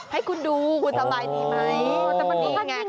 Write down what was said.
ให้คุณดูคุณสบายดีไหม